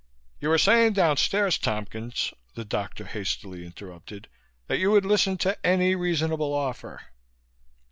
"You were saying downstairs, Tompkins," the doctor hastily interrupted, "that you would listen to any reasonable offer."